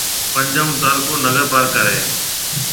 پنجھون تعلقو ننگر پارڪر ھيََََ